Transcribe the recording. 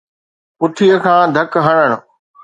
پٺيءَ کان ڌڪ هڻڻ